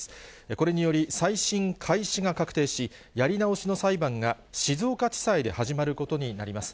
これにより、再審開始が確定し、やり直しの裁判が静岡地裁で始まることになります。